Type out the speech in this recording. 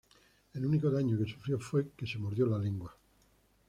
El único daño que sufrió fue que se mordió la lengua.